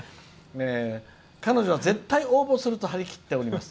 彼女は絶対応募すると張り切っております。